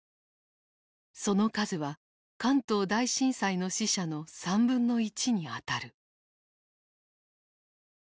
その数は関東大震災の死者の３分の１にあたる。